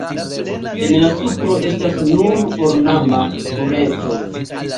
En la supro estas nur ornama tureto.